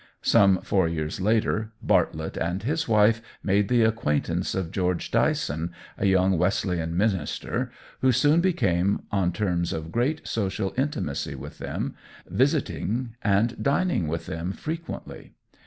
Some four years later Bartlett and his wife made the acquaintance of George Dyson, a young Wesleyan minister, who soon became on terms of great social intimacy with them, visiting and dining with them frequently.